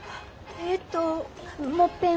ええともっぺん